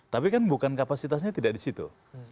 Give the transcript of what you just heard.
tapi kan bukan kapasitasnya tidak di situ